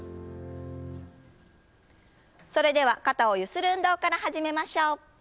それでは肩をゆする運動から始めましょう。